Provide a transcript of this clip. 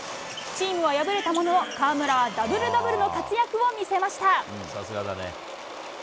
チームは敗れたものの河村はダブルダブルの活躍を見せました。